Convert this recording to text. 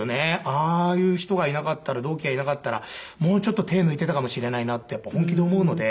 ああいう人がいなかったら同期がいなかったらもうちょっと手抜いていたかもしれないなってやっぱり本気で思うので。